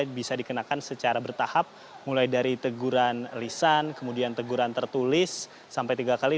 ini bisa dikenakan secara bertahap mulai dari teguran lisan kemudian teguran tertulis sampai tiga kali